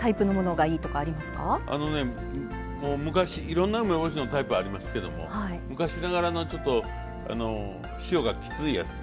いろんな梅干しのタイプありますけども昔ながらのちょっと塩がきついやつ。